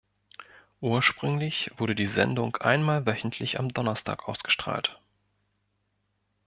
Ursprünglich wurde die Sendung einmal wöchentlich am Donnerstag ausgestrahlt.